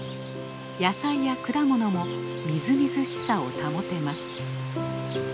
野菜や果物もみずみずしさを保てます。